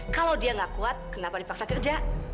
kalau dia nggak kuat kenapa dipaksa kerja